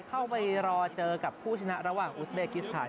เอาละครับสารักษ์ผ่าน